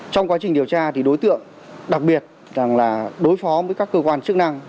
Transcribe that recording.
trong quá trình điều tra thì đối tượng đặc biệt rằng là đối phó với các cơ quan chức năng